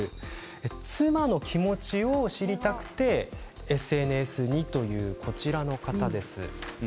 妻の気持ちを知りたくてＳＮＳにという、この方です。